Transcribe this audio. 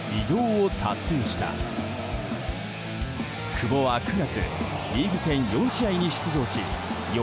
久保は９月リーグ戦４試合に出場し４